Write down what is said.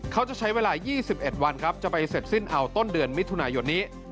เขาจะใช้เวลา๒๑วันครับจะไปเสร็จสิ้นเอาต้นเดือนมิถุนายนนี้